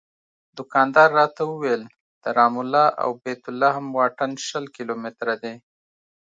دوکاندار راته وویل د رام الله او بیت لحم واټن شل کیلومتره دی.